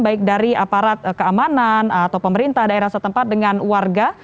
baik dari aparat keamanan atau pemerintah daerah setempat dengan warga